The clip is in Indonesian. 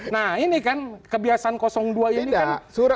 nah ini kan kebiasaan dua ini kan